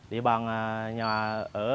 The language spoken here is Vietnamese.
địa bàn nhà ở